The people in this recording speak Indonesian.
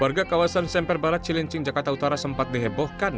warga kawasan semper barat cilincing jakarta utara sempat dihebohkan